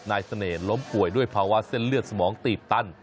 เสน่ห์ล้มป่วยด้วยภาวะเส้นเลือดสมองตีบตัน